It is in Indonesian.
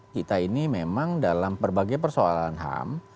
saya kira ini memang dalam berbagai persoalan ham